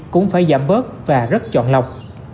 cũng phải giảm bớt và rất chọn lọc